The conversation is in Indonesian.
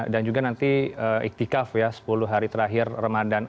dan juga nanti ikhtikaf ya sepuluh hari terakhir ramadan